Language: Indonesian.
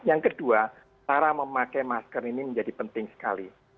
yang kedua cara memakai masker ini menjadi penting sekali